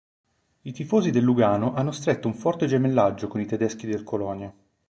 I tifosi del Lugano hanno stretto un forte gemellaggio con i tedeschi del Colonia.